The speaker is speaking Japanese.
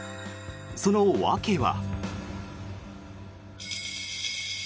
その訳は。